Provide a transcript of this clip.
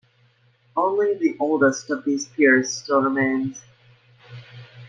Only the oldest of these piers still remains.